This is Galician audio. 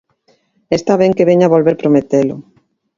Está ben que veña volver prometelo.